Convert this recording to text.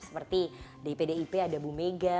seperti dip dip ada bu mega